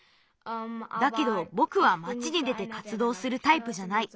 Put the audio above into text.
だけどぼくはまちに出てかつどうするタイプじゃない。